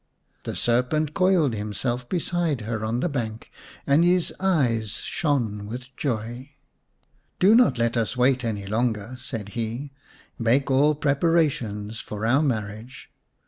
The serpent coiled himself beside her on the bank, and his eyes shone with joy. "Do not let us wait any longer," said he. "Make all preparations for our marriage.